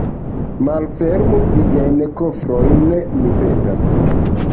Malfermu viajn kofrojn, mi petas.